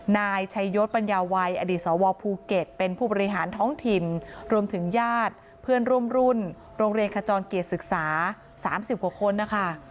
นายชัยยศปัญญาวัยอดีตสวภูเก็ตเป็นผู้บริหารท้องถิ่นรวมถึงญาติเพื่อนร่วมรุ่นโรงเรียนขจรเกียรติศึกษา๓๐กว่าคนนะคะ